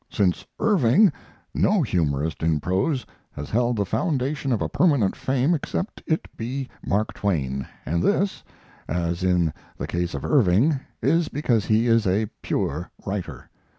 Since Irving no humorist in prose has held the foundation of a permanent fame except it be Mark Twain, and this, as in the case of Irving, is because he is a pure writer.